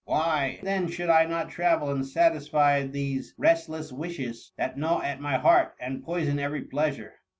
Why then should I not travel and satisfy these restless wishes that gnaw at my heart and poison every pleasure?